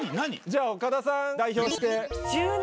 じゃあ岡田さん代表して。